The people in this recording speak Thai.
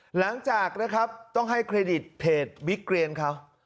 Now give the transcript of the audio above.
หลังจากนะครับต้องให้เครดิตเพจบิ๊กเรียนเขา